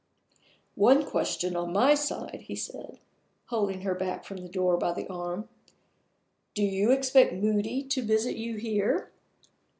"One question on my side," he said, holding her back from the door by the arm. "Do you expect Moody to visit you here?"